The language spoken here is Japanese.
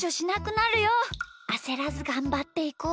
あせらずがんばっていこう。